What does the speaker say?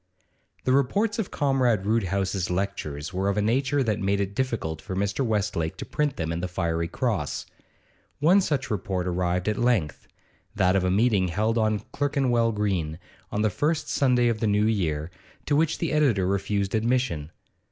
The reports of Comrade Roodhouse's lectures were of a nature that made it difficult for Mr. Westlake to print them in the 'Fiery Cross;' one such report arrived at length, that of a meeting held on Clerkenwell Green on the first Sunday of the new year, to which the editor refused admission.